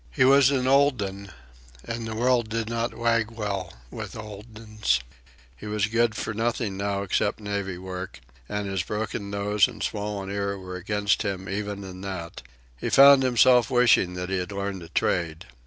He was an old un, and the world did not wag well with old uns. He was good for nothing now except navvy work, and his broken nose and swollen ear were against him even in that. He found himself wishing that he had learned a trade.